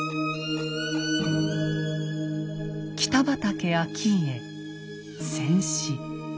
北畠顕家戦死。